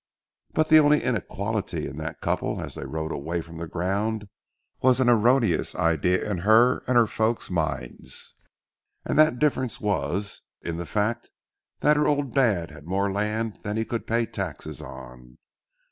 But the only inequality in that couple as they rode away from the ground was an erroneous idea in her and her folks' minds. And that difference was in the fact that her old dad had more land than he could pay taxes on.